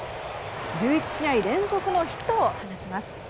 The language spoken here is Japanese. １１試合連続のヒットを放ちます。